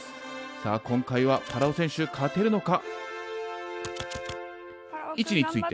さあ今回はパラオ選手勝てるのか？